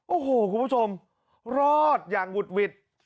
โอ้โหคุณผู้ชมรอดอย่างหุดหวิด